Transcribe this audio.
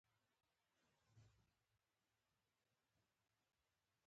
دا به د څو نسلونو لپاره خوندي کړي